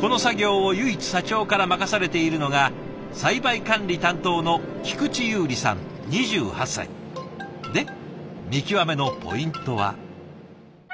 この作業を唯一社長から任されているのが栽培管理担当の菊池優理さん２８歳。で見極めのポイントは？